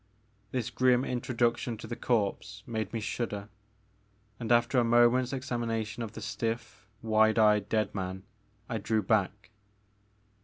This grim introduction to the corpse made me shudder, and, after a moment's examination of the stiff, wide eyed dead man, I drew back.